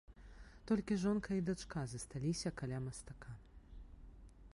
Толькі жонка і дачка засталіся каля мастака.